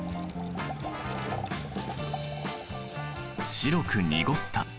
白く濁った。